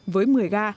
với một mươi ga